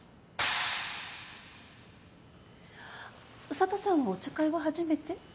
佐都さんお茶会は初めて？